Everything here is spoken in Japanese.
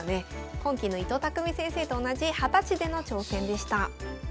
今期の伊藤匠先生と同じ二十歳での挑戦でした。